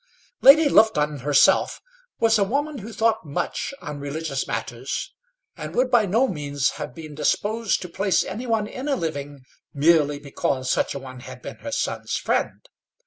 Lady Lufton herself was a woman who thought much on religious matters, and would by no means have been disposed to place any one in a living, merely because such a one had been her son's friend.